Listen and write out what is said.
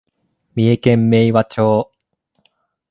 三重県明和町